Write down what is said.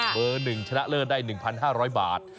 เบอร์๑ชนะเลิศได้๑๕๐๐บาท